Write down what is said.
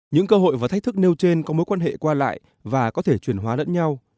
những cơ hội và thách thức nêu trên có mối quan hệ qua lại và có thể chuyển hóa lẫn nhau